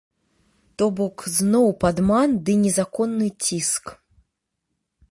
То бок зноў падман ды незаконны ціск.